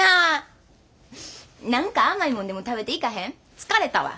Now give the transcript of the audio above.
疲れたわ。